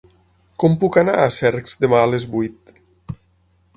Com puc anar a Cercs demà a les vuit?